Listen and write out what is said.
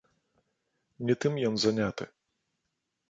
Не тым ён заняты.